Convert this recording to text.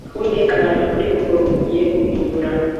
uwiteka azanyura kuri urwo rugi ye kurimbura